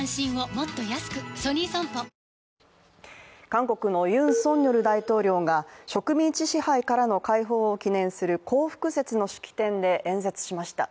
韓国のユン・ソンニョル大統領が植民地支配からの解放を記念する光復節の式典で演説しました。